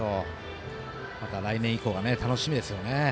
来年以降が楽しみですね。